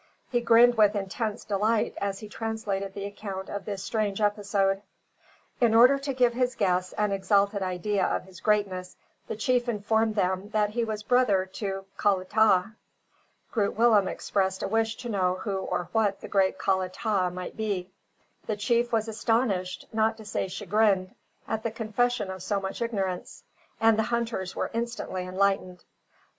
He grinned with intense delight as he translated the account of this strange episode. In order to give his guests an exalted idea of his greatness the chief informed them that he was brother to Kalatah. Groot Willem expressed a wish to know who or what the great Kalatah might be. The chief was astonished, not to say chagrined, at the confession of so much ignorance, and the hunters were instantly enlightened.